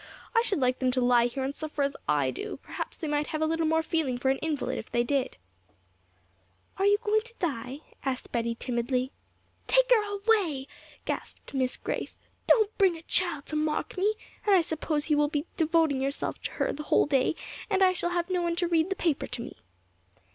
I should like them to lie here and suffer as I do perhaps they might have a little more feeling for an invalid if they did.' 'Are you going to die?' asked Betty timidly. 'Take her away!' gasped Miss Grace; 'don't bring a child to mock me; and I suppose you will be devoting yourself to her the whole day, and I shall have no one to read the paper to me.'